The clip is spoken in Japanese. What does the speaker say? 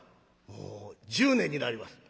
「もう１０年になります」。